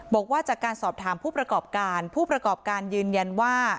บอกว่าจากการสอบถามผู้ประกอบการผู้ประกอบการยืนยันว่า